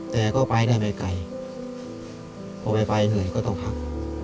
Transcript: แต่ก็ไปได้ไม่ไกลพอไม่ไปเหนื่อยก็ต้องพัก